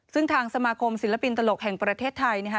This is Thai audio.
ซึ่งทางสมาคมศิลปินตลกแห่งประเทศไทยนะคะ